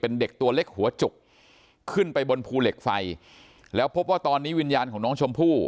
เป็นเด็กตัวเล็กหัวจุกขึ้นไปบนภูเหล็กไฟแล้วพบว่าตอนนี้วิญญาณของน้องชมพู่